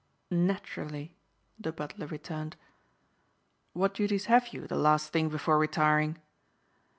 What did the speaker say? "Naturally," the butler returned. "What duties have you the last thing before retiring?"